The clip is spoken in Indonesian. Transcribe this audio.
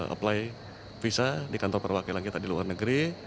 apply visa di kantor perwakilan kita di luar negeri